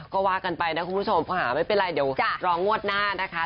ก็ว่ากันไปนะคุณผู้ชมเดี๋ยวธรรมงวดหน้านะค่ะ